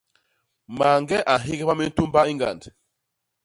Mañge a nhégba mintumba i ñgand.